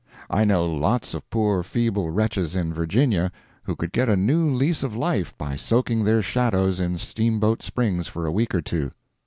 I know lots of poor, feeble wretches in Virginia who could get a new lease of life by soaking their shadows in Steamboat Springs for a week or two.